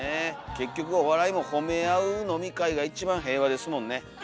結局お笑いも褒め合う飲み会が一番平和ですもんね。